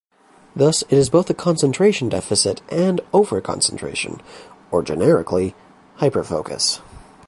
Thus it is both a concentration deficit and over-concentration, or generically: hyperfocus.